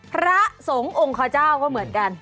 พระสงฆ์องค์ขเจ้าก็เหมือนกัน